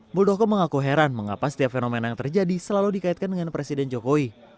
muldoko mengaku heran mengapa setiap fenomena yang terjadi selalu dikaitkan dengan presiden jokowi